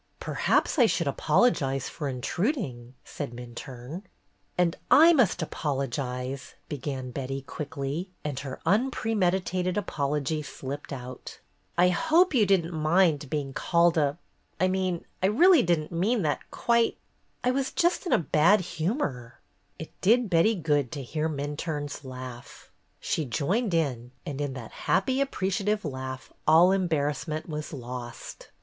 "Perhaps I should apologize for intruding," said Minturne. "And I must apologize," began Betty, quickly, and her unpremeditated apology slipped out. "I hope you did n't mind being called a — I mean — I really did n't mean that quite — I was just in a bad humor." It did Betty good to hear Minturne's laugh. She joined in, and in that happy, appreciative laugh all embarrassment was lost.